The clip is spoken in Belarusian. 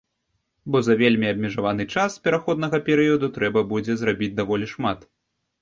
Бо за вельмі абмежаваны час пераходнага перыяду трэба будзе зрабіць даволі шмат.